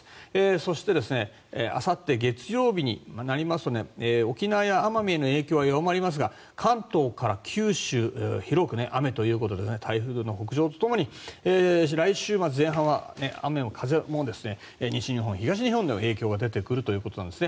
そしてあさって月曜日になりますと沖縄や奄美への影響は弱まりますが関東から九州広く雨ということで台風の北上と共に、来週前半は雨も風も西日本、東日本にも影響が出てくるということです。